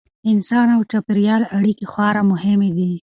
د انسان او چاپیریال اړیکې خورا مهمې دي.